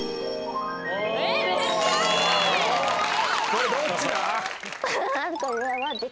これどっちだ？